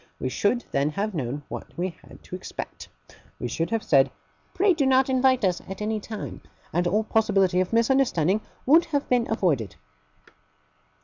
We should then have known what we had to expect. We should have said "Pray do not invite us, at any time"; and all possibility of misunderstanding would have been avoided.